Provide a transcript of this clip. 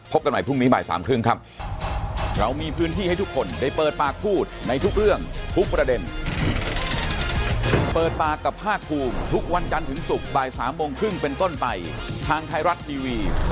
กันใหม่พรุ่งนี้บ่ายสามครึ่งครับ